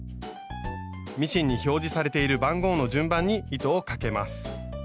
ミシンに表示されている番号の順番に糸をかけます。